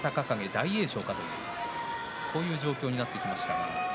大栄翔かという状況になってきました。